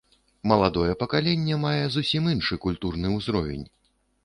Маладое пакаленне мае зусім іншы культурны ўзровень.